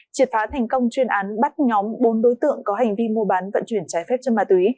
triệt phá thành công chuyên án bắt nhóm bốn đối tượng có hành vi mua bán vận chuyển trái phép chân ma túy